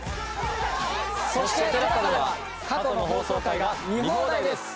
そしてＴＥＬＡＳＡでは過去の放送回が見放題です。